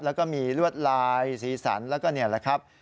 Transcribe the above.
แล้วก็มีลวดลายสีสันแล้วก็นี่แหละครับ